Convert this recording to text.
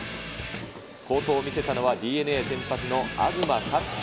好投を見せたのは、ＤｅＮＡ先発の東克樹。